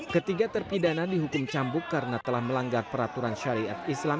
ketiga terpidana dihukum cambuk karena telah melanggar peraturan syariat islam